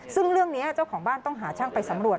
ซึ่งเรื่องนี้เจ้าของบ้านต้องหาช่างไปสำรวจ